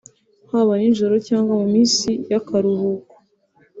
haba ninjoro cyangwa mu minsi y’akaruhuko